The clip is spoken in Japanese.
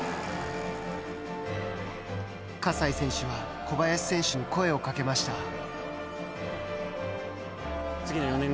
葛西選手は小林選手に声をかけました。